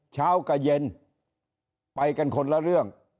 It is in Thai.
เช้ากับเย็นไปกันคนละเรื่อง